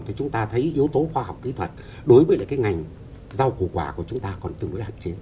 thì chúng ta thấy yếu tố khoa học kỹ thuật đối với lại cái ngành rau củ quả của chúng ta còn tương đối hạn chế